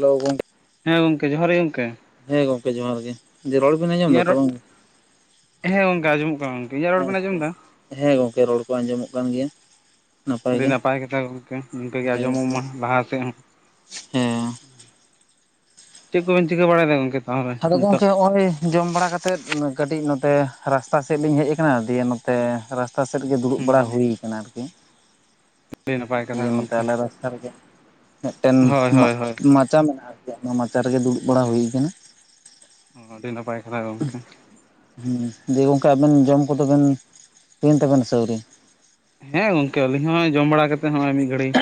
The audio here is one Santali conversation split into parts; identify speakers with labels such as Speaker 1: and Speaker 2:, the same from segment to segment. Speaker 1: ᱞᱟᱹᱭ ᱵᱮᱱ
Speaker 2: ᱦᱮᱸ ᱜᱚᱝᱠᱮ ᱡᱚᱦᱟᱨ ᱜᱮ ᱜᱚᱝᱠᱮ ᱾
Speaker 1: ᱦᱮᱸ ᱜᱚᱝᱠᱮ ᱡᱚᱦᱟᱨ ᱜᱮ ᱡᱮ ᱨᱚᱲ ᱵᱤᱱ ᱟᱸᱡᱚᱢ
Speaker 2: ᱤᱧᱟᱹᱜ
Speaker 1: ᱫᱟᱛᱚ
Speaker 2: ᱨᱚᱲ,
Speaker 1: ᱵᱟᱝ
Speaker 2: ᱦᱮᱸ ᱜᱚᱝᱠᱮ ᱟᱸᱡᱚᱢᱚᱜ ᱠᱟᱱᱟ ᱜᱚᱝᱠᱮ ᱤᱧᱟᱹᱜ ᱨᱚᱲ ᱵᱮᱱ ᱟᱸᱡᱚᱢ
Speaker 1: ᱟᱪᱪᱷᱟ
Speaker 2: ᱮᱫᱟ?
Speaker 1: ᱦᱮᱸ ᱜᱚᱝᱠᱮ ᱨᱚᱲ ᱠᱚ ᱟᱸᱡᱚᱢᱚᱜ ᱠᱟᱱ ᱜᱮᱭᱟ᱾
Speaker 2: ᱟᱹᱰᱤ ᱱᱟᱯᱟᱭ ᱠᱟᱛᱷᱟ ᱜᱚᱝᱠᱮ ᱤᱱᱠᱟᱜᱮ
Speaker 1: ᱦᱮᱸ
Speaker 2: ᱟᱸᱡᱚᱢᱚᱜ
Speaker 1: ᱜᱚᱝᱠᱮ
Speaker 2: ᱢᱟ ᱞᱟᱦᱟ ᱥᱮᱫ ᱦᱚᱸ ᱾
Speaker 1: ᱦᱮᱸ
Speaker 2: ᱪᱮᱫ ᱠᱚᱵᱮᱱ ᱪᱤᱠᱟᱹ ᱵᱟᱲᱟᱭᱮᱫᱟ ᱜᱚᱝᱠᱮ? ᱛᱟᱦᱚᱞᱮ
Speaker 1: ᱟᱫᱚ
Speaker 2: ᱱᱤᱛᱚᱜ?
Speaker 1: ᱜᱚᱝᱠᱮ ᱦᱚᱸᱜᱼᱚᱭ ᱡᱚᱢ ᱵᱟᱲᱟ ᱠᱟᱛᱮᱫ ᱠᱟᱹᱴᱤᱡ ᱱᱚᱛᱮ ᱨᱟᱥᱛᱟ ᱥᱮᱫ ᱞᱤᱧ ᱦᱮᱡ ᱟᱠᱟᱱᱟ ᱫᱤᱭᱮ ᱱᱚᱛᱮ ᱨᱟᱥ ᱴᱟ ᱥᱮᱫ ᱜᱮ ᱫᱩᱲᱩᱵ
Speaker 2: ᱦᱩᱸ
Speaker 1: ᱵᱟᱲᱟ
Speaker 2: ᱦᱩᱸ
Speaker 1: ᱦᱩᱭ ᱠᱟᱱᱟ ᱟᱨᱠᱤ
Speaker 2: ᱟᱹᱰᱤ ᱱᱟᱯᱟᱭ ᱠᱟᱛᱷᱟ
Speaker 1: ᱫᱤᱭᱮ ᱱᱚᱛᱮ
Speaker 2: ᱜᱚᱝᱠᱮ
Speaker 1: ᱟᱞᱮ ᱫᱚ ᱾ ᱢᱮᱜᱴᱮᱱ
Speaker 2: ᱦᱳᱭ
Speaker 1: ᱢᱟᱜ
Speaker 2: ᱦᱳᱭ ᱦᱳᱭ
Speaker 1: ᱢᱟᱪᱟ ᱢᱮᱱᱟᱜ-ᱟ ᱟᱨᱠᱤ ᱚᱱᱟ ᱢᱟᱪᱟ ᱨᱮᱜᱮ ᱫᱩᱲᱩᱵ ᱵᱟᱲᱟ ᱦᱩᱭ ᱠᱟᱱᱟ᱾
Speaker 2: ᱚ ᱟᱹᱰᱤ ᱱᱟᱯᱟᱭ ᱠᱟᱛᱟ ᱜᱚᱝᱠᱮ᱾
Speaker 1: ᱦᱩᱸ ᱫᱤᱭᱮ ᱜᱚᱝᱠᱮ ᱟᱵᱮᱱ ᱡᱚᱢ ᱠᱚᱫᱚ ᱵᱮᱱ ᱦᱩᱭᱮᱱ ᱛᱟᱵᱮᱱᱟᱥᱮ ᱟᱹᱣᱨᱤ ‍?
Speaker 2: ᱦᱮᱸ ᱜᱚᱝᱠᱮ ᱟᱹᱞᱤᱧ ᱦᱚᱸ ᱡᱚᱢ ᱵᱟᱲᱟ ᱠᱟᱛᱮᱜ ᱦᱚᱸᱜᱼᱚᱭ ᱢᱤᱫ ᱜᱷᱟᱹᱲᱤᱡ